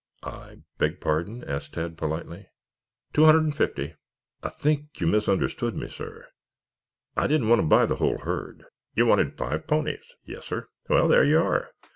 "I beg pardon?" asked Tad politely. "Two hundred and fifty." "I think you misunderstood me, sir. I didn't want to buy the whole herd." "You wanted five ponies?" "Yes, sir." "Well, there you are.